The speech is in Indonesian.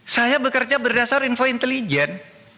saya bekerja berdasar info intelijen